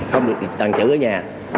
không được tàn trữ ở nhà